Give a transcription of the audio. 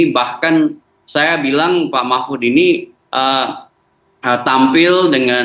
bahkan saya bilang pak mahfud ini tampil dengan